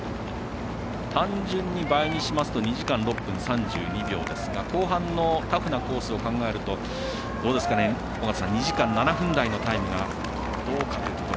単純に倍にしますと２時間６分３２秒ですが後半のタフなコースを考えると２時間７分台のタイムがどうかというところ。